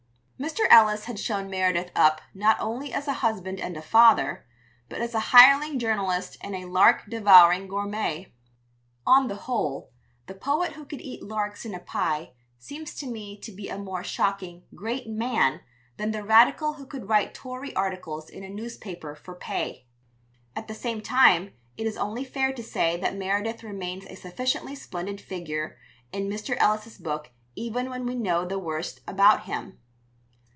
Mr. Ellis has shown Meredith up not only as a husband and a father, but as a hireling journalist and a lark devouring gourmet. On the whole, the poet who could eat larks in a pie seems to me to be a more shocking "great man" than the Radical who could write Tory articles in a newspaper for pay. At the same time, it is only fair to say that Meredith remains a sufficiently splendid figure in. Mr. Ellis's book even when we know the worst about him.